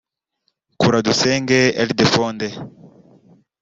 Kuradusenge Ildephonde